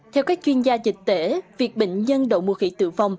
theo các chuyên gia dịch tễ việc bệnh nhân đậu mùa khỉ tử vong